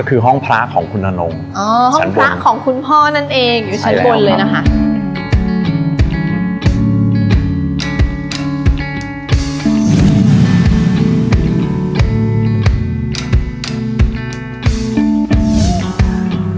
ก็คือห้องพระของคุณอนงอ๋อห้องพระของคุณพ่อนั่นเองอยู่ชั้นบนเลยนะคะอีกหลายห้องพ่อน